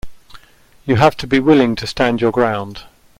You have to be willing to stand your ground.